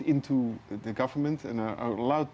saya melihat generasi muda yang sangat kuat